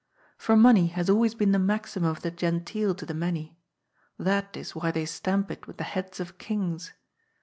For money has always been the maximum of the genteel to the many ; that is why they stamp it with the heads of Kings.